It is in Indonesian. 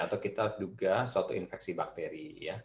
atau kita duga suatu infeksi bakteri